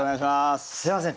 すみません